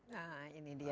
nah ini dia